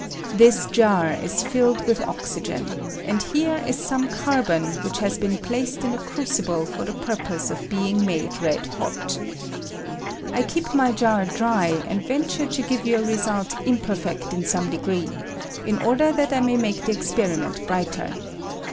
Tliia jar is filled with osygcn, and here is some carbon which has been placed in a crucible for the purpose of be ing made red hot, I keep my jar dry, and ven ture to give you a result imperfect in some de gree, in order that I may make the experiment brighter.